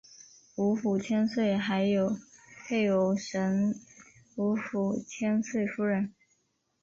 吴府千岁还有配偶神吴府千岁夫人。